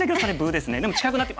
でも近くなって。